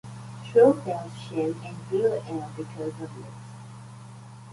Chu felt shame and grew ill because of this.